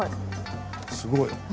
すごい。